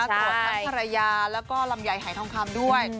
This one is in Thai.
สักวันทรยายและก็ล้ำใยไหยทองคำด้วย